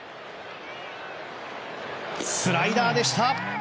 スライダーでした！